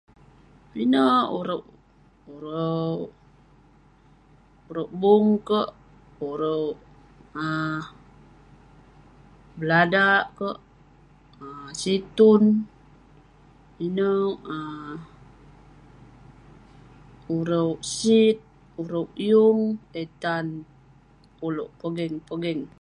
Pinek urouk. Urouk, urouk bung kek, urouk um beladak kek, um situn, inouk um urouk sit, urouk yung, eh tan ulouk pogeng-pogeng.